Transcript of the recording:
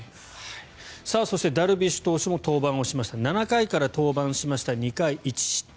そしてダルビッシュ投手も登板をして７回から登板して２回１失点。